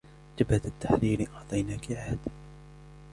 جبهة التحرير أعطيناك عهدا